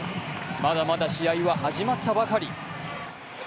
まだまだ試合は始まったばかり。